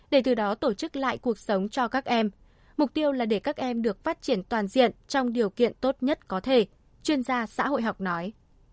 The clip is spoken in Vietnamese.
để từ đó tổ chức lại cuộc sống cho các em mục tiêu là để các em được phát triển toàn diện trong điều kiện tốt nhất có thể chuyên gia xã hội học nói